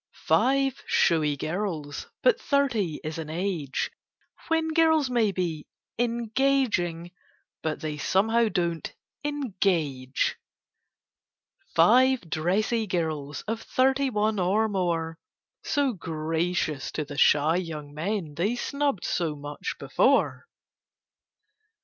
Five showy girls—but Thirty is an age When girls may be engaging, but they somehow don't engage. Five dressy girls, of Thirty one or more: So gracious to the shy young men they snubbed so much before!